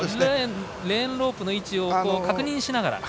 レーンロープの位置を確認しながら。